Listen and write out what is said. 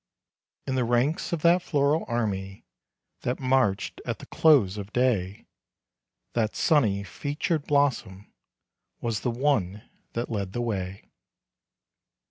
In the ranks of that floral army That marched at the close of day, That sunny featured blossom Was the one that led the way.